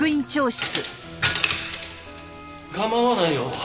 構わないよ。